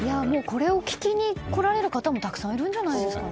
これを聞きに来られる方もたくさんいるんじゃないですかね。